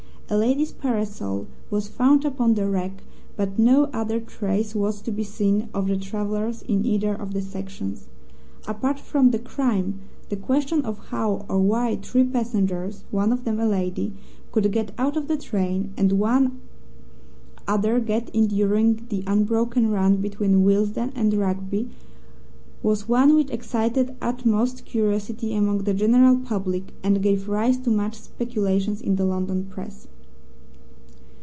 A lady's parasol was found upon the rack, but no other trace was to be seen of the travellers in either of the sections. Apart from the crime, the question of how or why three passengers (one of them a lady) could get out of the train, and one other get in during the unbroken run between Willesden and Rugby, was one which excited the utmost curiosity among the general public, and gave rise to much speculation in the London Press.